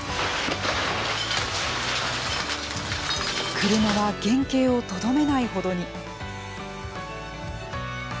車は原形をとどめないほどに。